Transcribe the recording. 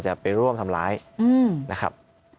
จะไปร่วมทำร้ายนะครับ